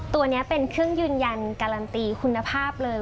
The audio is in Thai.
ตัวนี้เป็นเครื่องยืนยันการันตีคุณภาพเลย